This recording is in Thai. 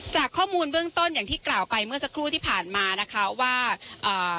จากข้อมูลเบื้องต้นอย่างที่กล่าวไปเมื่อสักครู่ที่ผ่านมานะคะว่าเอ่อ